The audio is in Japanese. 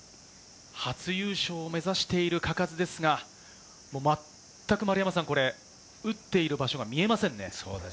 初優勝を目指している嘉数ですが、まったく打っている場所が見えませんね。